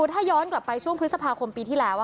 ถ้าย้อนกลับไปช่วงพฤษภาคมปีที่แล้ว